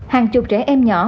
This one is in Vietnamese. hàng chục trẻ em nhỏ